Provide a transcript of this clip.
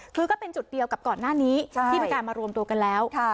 คือก็เป็นจุดเดียวกับก่อนหน้านี้ที่มีการมารวมตัวกันแล้ว